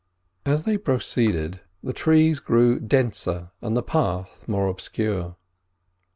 As they proceeded the trees grew denser and the path more obscure.